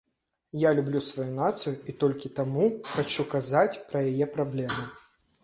Я люблю сваю нацыю і толькі таму хачу казаць пра яе праблемы.